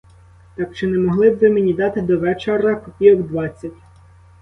Так чи не могли б ви мені дати до вечора копійок двадцять?